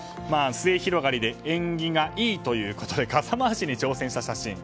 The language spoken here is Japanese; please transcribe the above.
末広がりで縁起がいいということで傘回しに挑戦した写真。